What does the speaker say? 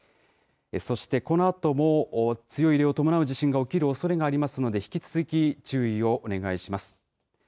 そして、このあとも強い揺れを伴う地震が起きるおそれがありますので、引き続き、注意をお願いします。